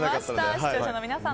視聴者の皆さん